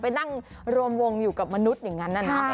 ไปนั่งรวมวงอยู่กับมนุษย์อย่างนั้นนะ